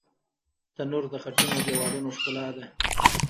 تنور د خټینو دیوالونو ښکلا ده